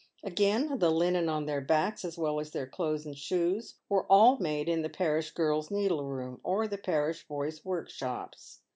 Again, the linen on their backs, as well as their clothes and shoes, were all made in the parish girls' needleroom or the parish boys' workshops.